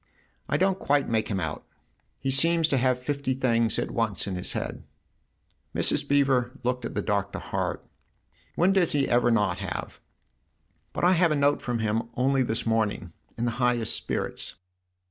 " I don't quite make him out. He seems to have fifty things at once in his head." Mrs. Beever looked at the Doctor hard. " When does he ever not have ? But I had a note from him only this morning in the highest spirits."